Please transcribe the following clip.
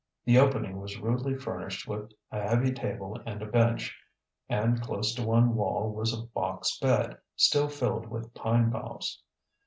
The opening was rudely furnished with a heavy table and a bench, and close to one wall was a box bed, still filled with pine boughs.